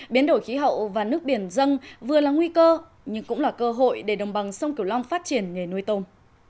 biến đổi khí hậu và nước biển dâng vừa là nguy cơ nhưng cũng là cơ hội để đồng bằng sông kiểu long phát triển nhảy nuôi tôm